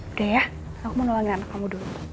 udah ya aku mau nulangi anak kamu dulu